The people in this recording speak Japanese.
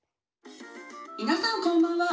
「みなさんこんばんは。